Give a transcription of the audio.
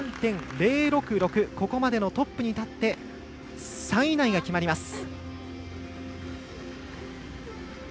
ここまでのトップに立って３位以内が決まります。